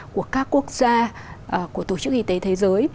của các quốc gia của tổ chức y tế thế giới